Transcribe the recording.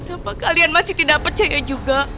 apa kalian masih tidak percaya juga